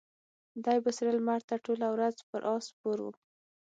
دی به سره لمر ته ټوله ورځ پر آس سپور و.